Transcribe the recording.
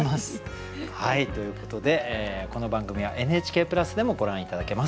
はいということでこの番組はＮＨＫプラスでもご覧頂けます。